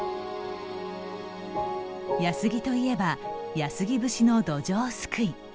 安来といえば安来節のどじょうすくい。